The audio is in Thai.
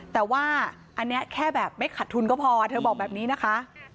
แต่ว่าอันนี้แค่แบบไม่ขัดทุนก็พอเธอบอกแบบนี้นะคะ